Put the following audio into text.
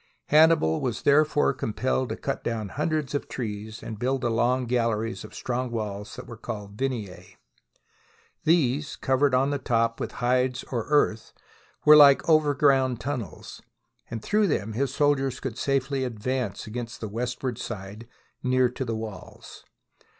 Hannibal was therefore compelled to cut down hundreds of trees and to build the long galleries of strong walls that were called " vineae." These, cov ered on the top with hides or earth, were like over ground tunnels, and through them his soldiers could safely advance against the westward side near to THE BOOK OF FAMOUS SIEGES the walls.